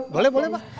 boleh boleh pak